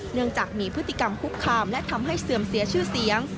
เนื่องจากมีพฤติกรรมคุกคามและทำให้เสื่อมเสียชื่อเสียง